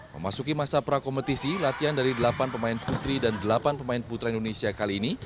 memasuki masa prakompetisi latihan dari delapan pemain putri dan delapan pemain putra indonesia kali ini